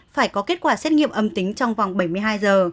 phải có kết quả xét nghiệm âm tính trong vòng bảy mươi hai giờ